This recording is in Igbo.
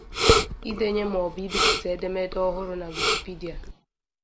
idenye maọbụ ibipụta edemede ọhụrụ na Wikipedia